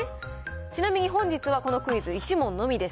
ちなみに本日はこのクイズ、１問のみです。